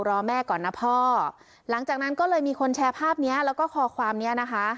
รอแม่ก่อนนะพ่อหลังจากนั้นก็เลยมีคนแชร์ภาพเนี้ยแล้วก็ข้อความเนี้ยนะคะ